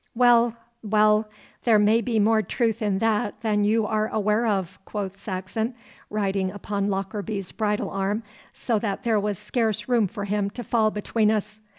'Well, well, there may be more truth in that than you are aware of,' quoth Saxon, riding upon Lockarby's bridle arm, so that there was scarce room for him to fall between us.